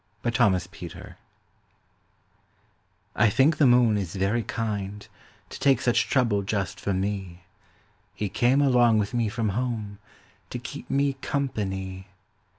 II The Kind Moon I think the moon is very kind To take such trouble just for me. He came along with me from home To keep me company.